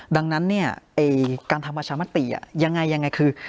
ดังนั้นเนี่ยการทำประชามติยังไงยังไงคือ